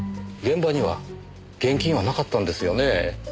現場には現金はなかったんですよねえ。